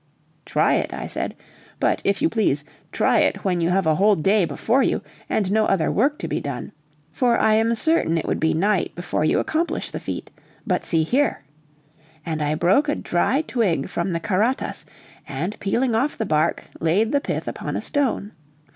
"Try it," I said; "but, if you please, try it when you have a whole day before you, and no other work to be done, for I am certain it would be night before you accomplish the feat. But see here," and I broke a dry twig from the karatas, and peeling off the bark, laid the pith upon a stone.